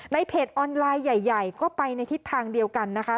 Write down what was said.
เพจออนไลน์ใหญ่ก็ไปในทิศทางเดียวกันนะคะ